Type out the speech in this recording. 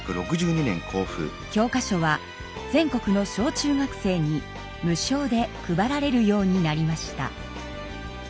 教科書は全国の小中学生に無償で配られるようになりました。